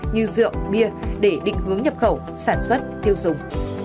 như rượu bia để định hướng nhập khẩu sản xuất tiêu dùng